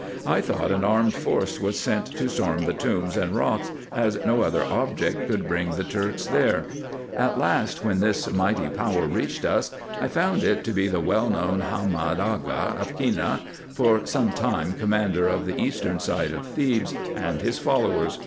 I thought an armed force was sent to storm the tombs and rocks, as IN EGYPT, NUBIA, &c. 247 no other object could bring the Turks there ; at last, when this mighty power reached us, I found it to be the well known Hamed Aga of Kenneh, for some time commander of the eastern side of Thebes, and his followers.